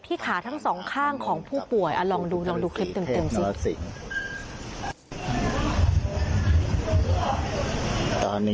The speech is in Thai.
พ่อปู่ฤาษีเทพนรสิงค่ะมีเฮ็ดโฟนเหมือนเฮ็ดโฟน